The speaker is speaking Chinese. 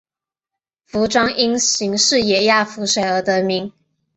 凫庄因形似野鸭浮水而得名。